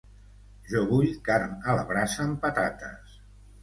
Jo vull carn a la brasa amb patates.